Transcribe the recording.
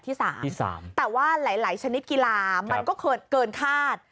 แต่ว่าหลายชนิดกีฬามันก็เกินคาด